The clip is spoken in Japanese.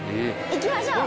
行きましょう！